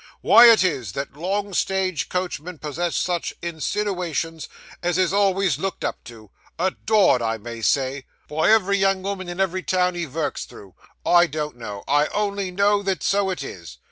Wy it is that long stage coachmen possess such insiniwations, and is alvays looked up to a dored I may say by ev'ry young 'ooman in ev'ry town he vurks through, I don't know. I only know that so it is.